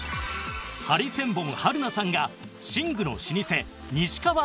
ハリセンボン春菜さんが寝具の老舗西川とコラボ